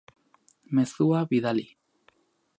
Mezua bidali.